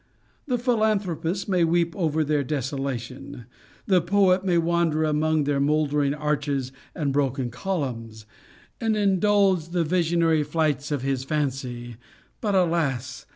The philanthropist may weep over their desolation the poet may wander among their mouldering arches and broken columns, and indulge the visionary flights of his fancy but alas!